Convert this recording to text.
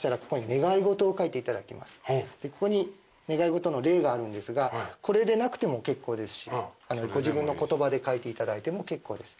ここに願い事の例があるんですがこれでなくても結構ですしご自分の言葉で書いていただいても結構です。